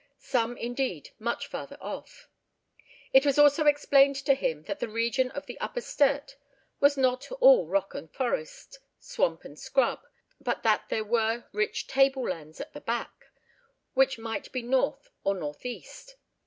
Some, indeed, much farther off. It was also explained to him that the region of the Upper Sturt was not all rock and forest, swamp and scrub, but that there were rich tablelands at "the back," which might be north or north east.